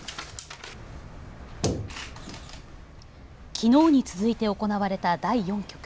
きのうに続いて行われた第４局。